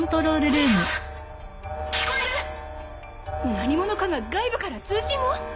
何者かが外部から通信を！？